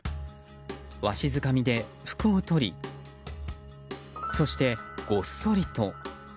わしづかみで服を取りそして、ごっそりと。